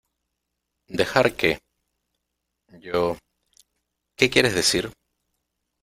¿ Dejar qué? Yo... ¿ qué quieres decir ?